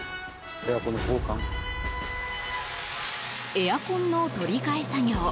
エアコンの取り替え作業。